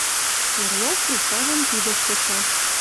Орлов трубкажым кидӹш кыча.